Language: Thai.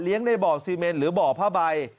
ในบ่อซีเมนหรือบ่อผ้าใบ